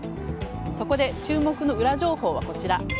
そこで注目の裏情報はこちら。